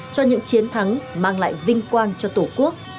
cho những chiến thắng mang lại vinh quang cho tổ quốc